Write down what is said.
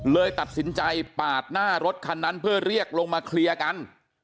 เลยตัดสินใจปาดหน้ารถคันนั้นเพื่อเรียกลงมาเคลียร์กัน